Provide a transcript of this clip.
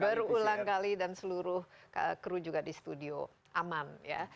berulang kali dan seluruh kru juga di studio aman ya